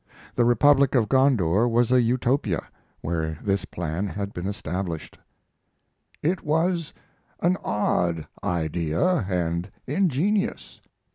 The republic of Gondour was a Utopia, where this plan had been established: It was an odd idea and ingenious.